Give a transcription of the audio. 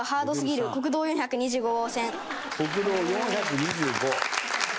国道４２５。